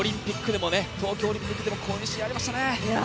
東京オリンピックでもこういうシーンありましたね。